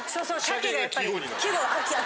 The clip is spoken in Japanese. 鮭がやっぱり。